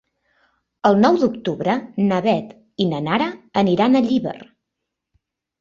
El nou d'octubre na Beth i na Nara aniran a Llíber.